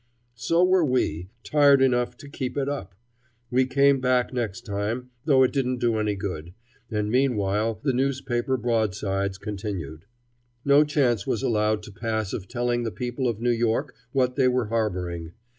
So were we, tired enough to keep it up. We came back next time, though it didn't do any good, and meanwhile the newspaper broadsides continued. No chance was allowed to pass of telling the people of New York what they were harboring.